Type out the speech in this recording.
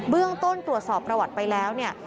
เรื่องต้นตรวจสอบประวัติไปแล้วเนี่ย